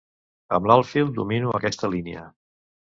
Amb l'alfil domino aquesta línia.